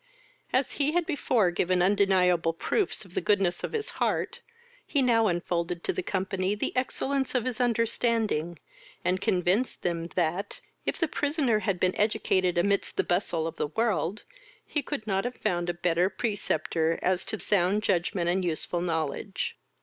As he had before given undeniable proofs of the goodness of his heart, he now unfolded to the company the excellence of his understanding, and convinced them, that, if the prisoner had been educated amidst the bustle of the world, he could not have found a better preceptor as to sound judgement and useful knowledge.